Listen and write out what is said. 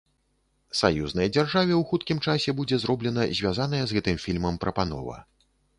Саюзнай дзяржаве ў хуткім часе будзе зроблена звязаная з гэтым фільмам прапанова.